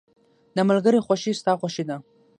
• د ملګري خوښي ستا خوښي ده.